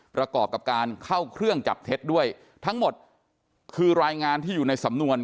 ประกอบกับการเข้าเครื่องจับเท็จด้วยทั้งหมดคือรายงานที่อยู่ในสำนวน